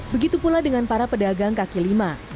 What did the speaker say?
begitu pula dengan para pedagang kaki lima